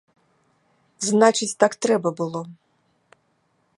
Значыць так трэба было!